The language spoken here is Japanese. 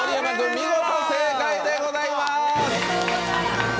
見事正解でございます。